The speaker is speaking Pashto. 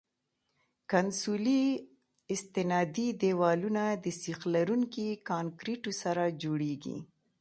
کنسولي استنادي دیوالونه د سیخ لرونکي کانکریټو څخه جوړیږي